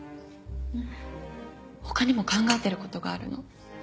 他にも考えてる事があるの。